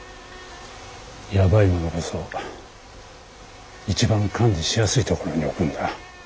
やばいものこそ一番管理しやすい所に置くんだ。